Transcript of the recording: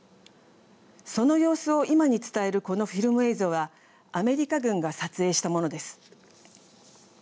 その様子を今に伝えるこのフィルム映像はアメリカ軍が撮影したものです。